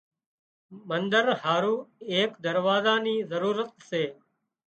منۮر هارُو ايڪ دروازا نِي ضرورت هتي